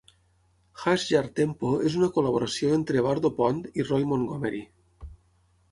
Hash Jar Tempo és una col·laboració entre Bardo Pond i Roy Montgomery.